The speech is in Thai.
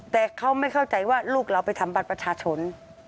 แต่เขาไม่เข้าใจว่าลูกเราไปทำบัตรประชาชน